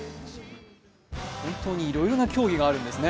本当にいろいろな競技があるんですね。